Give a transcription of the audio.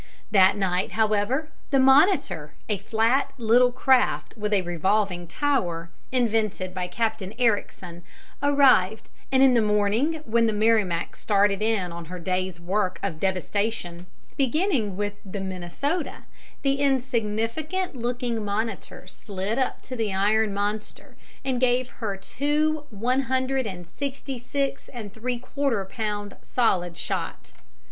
That night, however, the Monitor, a flat little craft with a revolving tower, invented by Captain Ericsson, arrived, and in the morning when the Merrimac started in on her day's work of devastation, beginning with the Minnesota, the insignificant looking Monitor slid up to the iron monster and gave her two one hundred and sixty six and three quarter pound solid shot.